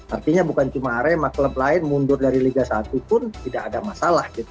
artinya bukan cuma arema klub lain mundur dari liga satu pun tidak ada masalah gitu